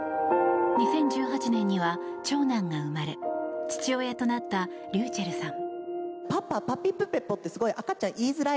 ２０１８年には長男が生まれ父親となったｒｙｕｃｈｅｌｌさん。